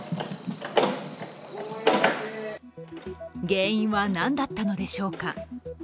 原因は何だったのでしょうか。